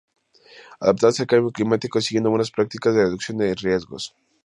Adaptarse al cambio climático siguiendo buenas prácticas de reducción de riesgos.